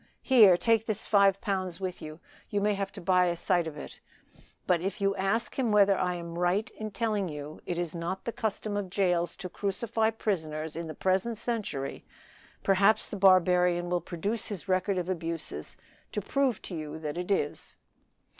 here, take this five pounds with you; you may have to buy a sight of it; but if you ask him whether I am right in telling you it is not the custom of jails to crucify prisoners in the present century, perhaps the barbarian will produce his record of abuses to prove to you that it is.